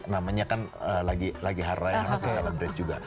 namanya kan lagi hari raya kan bisa lebih juga